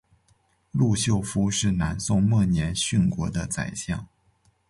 陆秀夫是南宋末年殉国的宰相。